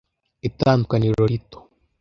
Itandukaniro rito.